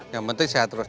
yang penting sehat terus